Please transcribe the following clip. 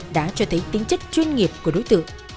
đã cho thấy tính chất chuyên nghiệp của đối tượng